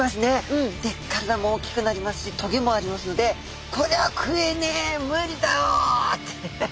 で体も大きくなりますし棘もありますのでこれは食えねえ無理だろって。